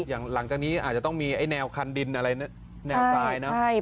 อย่างหลังจากนี้อาจจะต้องมีแนวคันดินอะไรแนวปลายนะ